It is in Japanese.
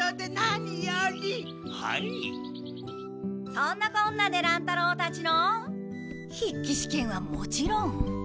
そんなこんなで乱太郎たちの筆記試験はもちろん。